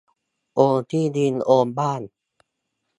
โอนที่ดินโอนบ้าน